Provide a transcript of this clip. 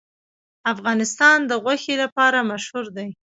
افغانستان د غوښې لپاره مشهور دی.